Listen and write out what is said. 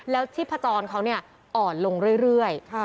แล้วชีพจรเขาอ่อนลงเรื่อย